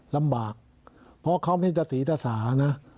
ลำบากเพราะเขาไม่ใช่ตั๋วสานะ